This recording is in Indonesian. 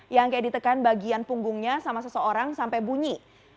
yang kayak ditekan bagian punggungnya sama seseorang sampai bunyi